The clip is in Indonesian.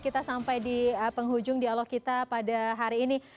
kita sampai di penghujung dialog kita pada hari ini